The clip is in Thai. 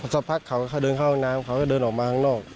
สักพักเขาก็เดินเข้าห้องน้ำเขาก็เดินออกมาข้างนอก